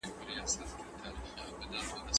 که قیچي وي نو پرې کول نه کږیږي.